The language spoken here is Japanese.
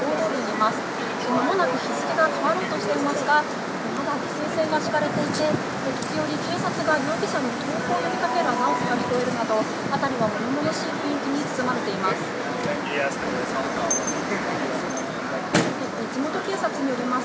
まもなく日付が変わろうとしていますが、まだ規制線が敷かれていて、時折、警察が容疑者に投降を呼びかけるアナウンスが聞こえるなど、辺りはものものしい雰囲気に包まれています。